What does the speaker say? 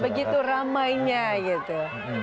begitu ramainya gitu